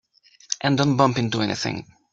And don't bump into anything.